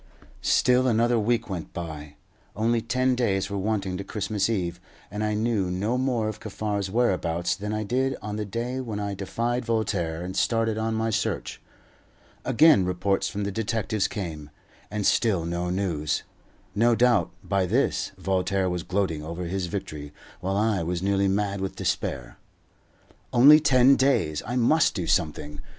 Still another week went by. Only ten days were wanting to Christmas Eve, and I knew no more of Kaffar's whereabouts than I did on the day when I defied Voltaire and started on my search. Again reports from the detectives came, and still no news. No doubt, by this, Voltaire was gloating over his victory, while I was nearly mad with despair. Only ten days! I must do something.